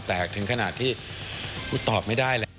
แต่ถึงขนาดที่กูตอบไม่ได้แหละ